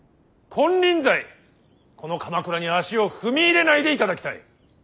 金輪際この鎌倉に足を踏み入れないでいただきたい！